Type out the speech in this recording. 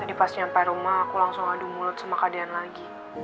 tadi pas nyampe rumah aku langsung adu mulut sama kak deyan lagi